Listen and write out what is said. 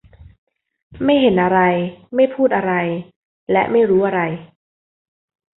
ไม่เห็นอะไร ไม่พูดอะไร และไม่รู้อะไร